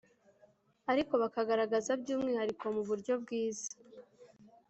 ariko bakagaragaza by umwihariko mu buryo bwiza